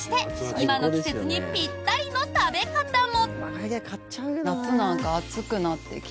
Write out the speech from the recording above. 今の季節にぴったりの食べ方も！